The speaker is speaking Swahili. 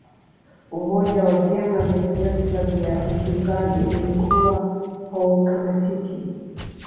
umoja wa vyama vya siasa vya upinzani ulikuwa haukamatiki